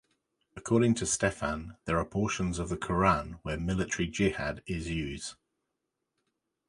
According to Steffen, there are portions of the Qur'an where military jihad is used.